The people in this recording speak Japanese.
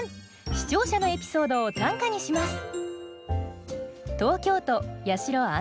視聴者のエピソードを短歌にします。